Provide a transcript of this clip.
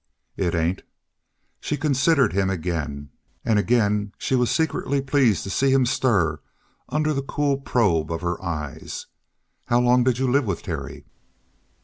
"It ain't." She considered him again. And again she was secretly pleased to see him stir under the cool probe of her eyes. "How long did you live with Terry?"